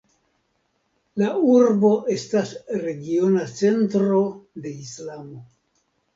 La urbo estas regiona centro de islamo.